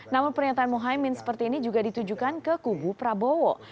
namun pernyataan mohaimin seperti ini juga ditujukan ke kubu prabowo